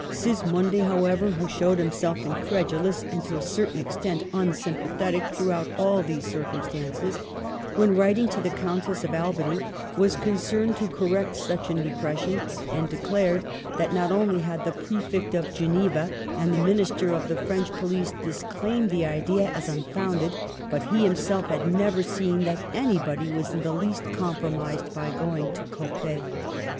Sismondi, however, who showed himself incredulous, and to a certain extent unsympathiz ing throughout all these circumstances, when writing to the Countess of Albany, was concerned to correct such an impression, and declared that Digitized by VjOOQIC 168 MADAME DE STA&VS not only had the Prefect of Geneva and the Min ister of the French Police disclaimed the idea as unfounded, but he himself had never seen that anybody was in the least compromised by going to Coppet.